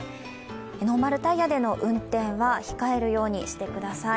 ノーマルタイヤでの運転は控えるようにしてください。